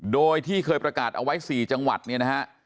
โดยที่เคยประกาศเอาไว้๔จังหวัดเนี่ยนะฮะ